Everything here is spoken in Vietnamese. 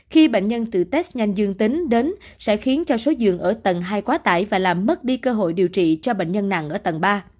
khi bệnh nhân tự test nhanh dương tính đến sẽ khiến cho số giường ở tầng hai quá tải và làm mất đi cơ hội điều trị cho bệnh nhân nặng ở tầng ba